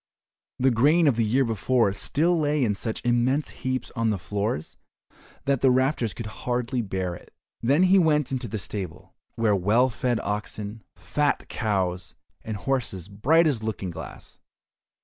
The grain of the year before still lay in such immense heaps on the floors that the rafters could hardly bear it. Then he went into the stable, where were well fed oxen, fat cows, and horses bright as looking glass.